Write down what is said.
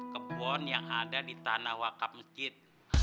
kebun yang ada di tanah wakaf masjid